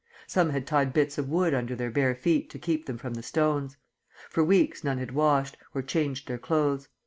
Some had tied bits of wood under their bare feet to keep them from the stones. For weeks none had washed, or changed their clothes.